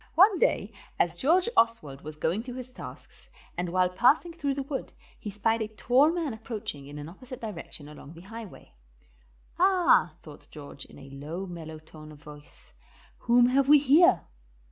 One day as George Oswald was going to his tasks, and while passing through the wood, he spied a tall man approaching in an opposite direction along the highway. "Ah," thought George, in a low, mellow tone of voice, "whom have we here?"